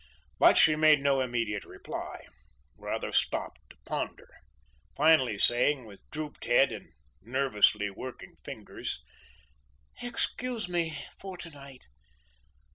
But she made no immediate reply, rather stopped to ponder, finally saying, with drooped head and nervously working fingers: "Excuse me for to night.